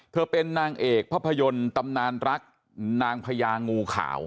เธอเป็นนางเอกภาพยนตร์ตำนานรักนางพญางูขาว